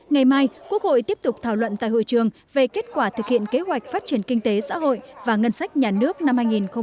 ngày mai quốc hội tiếp tục thảo luận tại hội trường về kết quả thực hiện kế hoạch phát triển kinh tế xã hội và ngân sách nhà nước năm hai nghìn một mươi chín